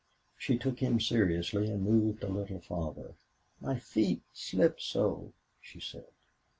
She took him seriously and moved a little farther. "My feet slip so," she said.